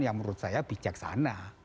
yang menurut saya bijaksana